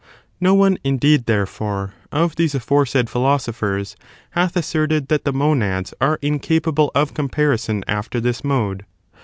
No one, indeed, therefore, of these aforesaid ^ inconns philosophers hath asserted that the monads are tency, therefore, incapable of comparison after this mode.